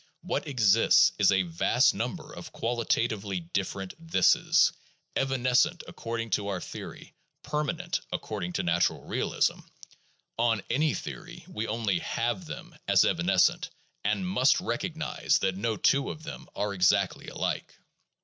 What exists is a vast number of qualitatively different "thises," evanescent according to our theory, permanent according to natural realism; on any theory we only have them as evanescent, and must recognize that no two of them are exactly alike.